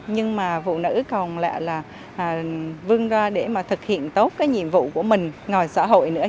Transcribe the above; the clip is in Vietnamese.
nhưng mà phụ nữ còn lại là vươn ra để thực hiện tốt nhiệm vụ của mình ngồi xã hội nữa